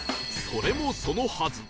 それもそのはず